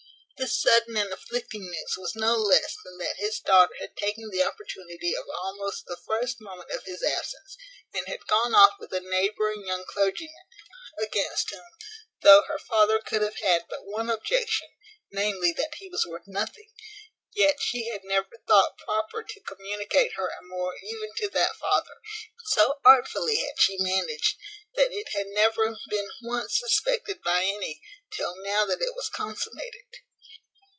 This sudden and afflicting news was no less than that his daughter had taken the opportunity of almost the first moment of his absence, and had gone off with a neighbouring young clergyman; against whom, though her father could have had but one objection, namely, that he was worth nothing, yet she had never thought proper to communicate her amour even to that father; and so artfully had she managed, that it had never been once suspected by any, till now that it was consummated.